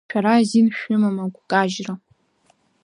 Шәара азин шәымам агәкажьра.